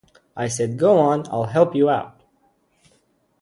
I said, Go on, I'll help you out.